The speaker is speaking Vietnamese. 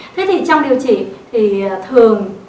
thế thì trong điều trị thì thường